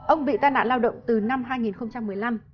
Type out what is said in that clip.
ông bị tai nạn lao động từ năm hai nghìn một mươi năm